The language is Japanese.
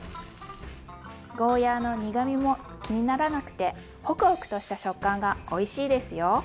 ゴーヤーの苦みも気にならなくてホクホクとした食感がおいしいですよ。